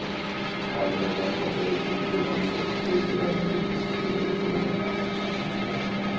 ھازىرغا قەدەر يۈزلىرىڭنى كۈلدۈرەلمىدىم، بۇنى بىلىمەن.